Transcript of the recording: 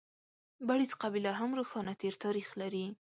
بړېڅ قبیله هم روښانه تېر تاریخ لري.